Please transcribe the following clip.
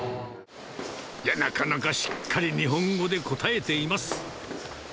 いや、なかなかしっかり日本語で答えています。